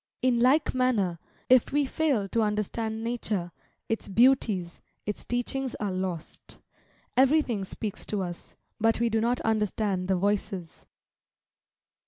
In like manner, if we fail to understand Nature, its beauties, its teachings are lost. Everything speaks to us, but we do not understand the voices.